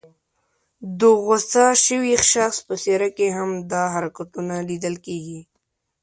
د غوسه شوي شخص په څېره کې هم دا حرکتونه لیدل کېږي.